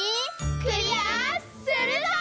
クリアするぞ！